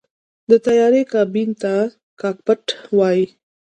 د طیارې کابین ته “کاکپټ” وایي.